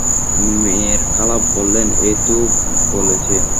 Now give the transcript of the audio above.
মেয়ের খালা বললেন, এই তো বলেছে।